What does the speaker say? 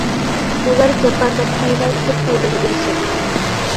ئۇلار جاپا تارتمايلا كۆپ پايدىغا ئېرىشەتتى.